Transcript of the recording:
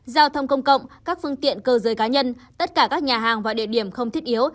giao thông công cộng các phương tiện cơ giới cá nhân tất cả các nhà hàng và địa điểm không thiết yếu